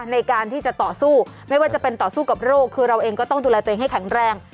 ในการที่จะต่อสู้ไม่ว่าจะเป็นต่อสู้กับโรคคือเราเองก็ต้องดูแลตัวเองให้แข็งแรง